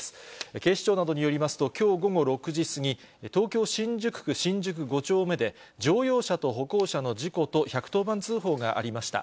警視庁などによりますと、きょう午後６時過ぎ、東京・新宿区新宿５丁目で、乗用車と歩行者の事故と１１０番通報がありました。